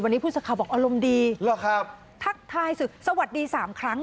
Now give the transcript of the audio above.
วันนี้ผู้สื่อข่าวบอกอารมณ์ดีทักทายศึกสวัสดีสามครั้ง